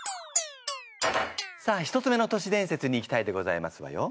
さあ１つ目の年伝説にいきたいでございますわよ。